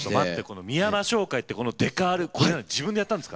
このミヤマ商会ってこのデカール自分でやったんですか？